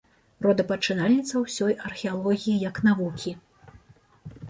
Родапачынальніца ўсёй археалогіі як навукі.